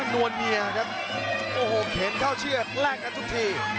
นวลเนียครับโอ้โหเข็นเข้าเชือกแลกกันทุกที